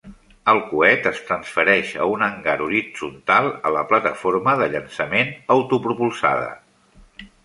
El coet es transfereix a un hangar horitzontal a la plataforma de llançament autopropulsada.